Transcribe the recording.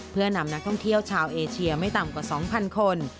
เพื่อนำนักท่องเที่ยวชาวเอเชียไม่ต่ำกว่า๒๐๐คน